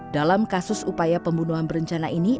dalam kasus upaya pembunuhan berencana ini